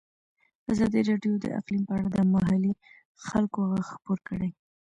ازادي راډیو د اقلیم په اړه د محلي خلکو غږ خپور کړی.